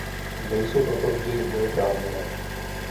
Nejsou proto vždy neoprávněné.